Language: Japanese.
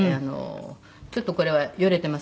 ちょっとこれはよれてます。